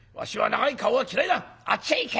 あっちへ行け！」